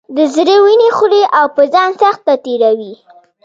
د زړه وینې خوري او په ځان سخته تېروي.